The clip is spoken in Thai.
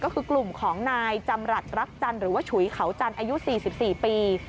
ก็คือกลุ่มของนายจำรัฐรักจันทร์หรือว่าฉุยเขาจันทร์อายุ๔๔ปี